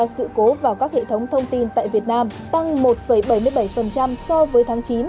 sự cố vào các hệ thống thông tin tại việt nam tăng một bảy mươi bảy so với tháng chín